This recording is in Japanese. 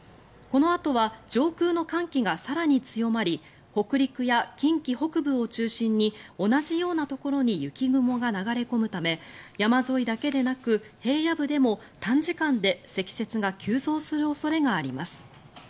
このあとは上空の寒気が更に強まり北陸や近畿北部を中心に同じようなところに雪雲が流れ込むため山沿いだけでなく平野部でも短時間で積雪が急増する恐れがあります。